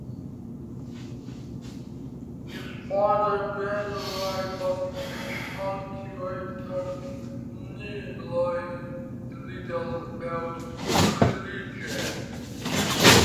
His father, Beni Rai, was a cultivator and knew little about religion.